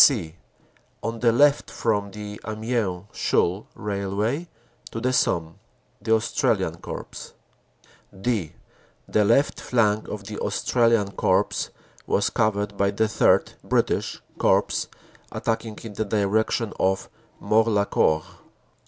"(c) On the left from the Amiens Chaulnes Railway to the Somme The Australian Corps. "(d) The left flank of the Australian Corps was covered by the III (British) Corps attacking in the direc tion of Morlancourt.